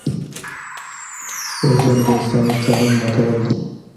وژنه د انساني قانون ماتول دي